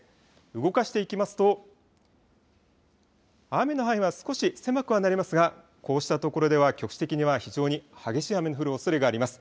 動かしていきますと、雨の範囲は少し狭くはなりますがこうしたところでは局地的には非常に激しい雨の降るおそれがあります。